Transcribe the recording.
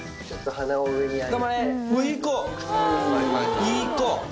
いい子！